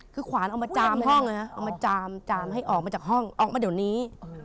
คือขวานเอามาจามห้องเอามาจามให้ออกมาจากห้องออกมาเดี๋ยวนี้